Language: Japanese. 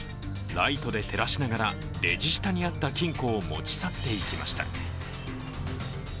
ライトで照らしながらレジ下にあった金庫を持ち去っていきました。